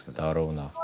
だろうな。